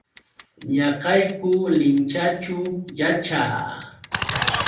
Ñaqayku Linchaćhu yaćhaa.